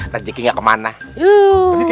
rezeki enggak kemana yuk